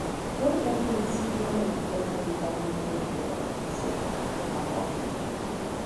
Fue buque insignia de la flota británica durante la rendición de Japón.